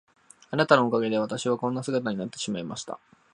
あなたのおかげで私はこんな姿になってしまいました。